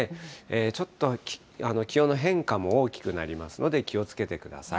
ちょっと気温の変化も大きくなりますので、気をつけてください。